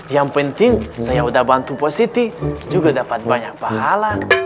yang penting saya sudah bantu positif juga dapat banyak pahala